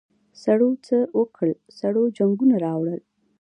سړو څه وکل سړو جنګونه راوړل.